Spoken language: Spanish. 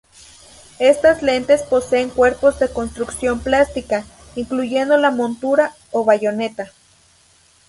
Estas lentes poseen cuerpos de construcción plástica, incluyendo la montura o bayoneta.